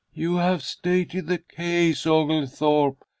"You have stated the case, Oglethorpe.